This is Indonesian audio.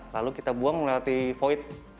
lalu kita buang melewati void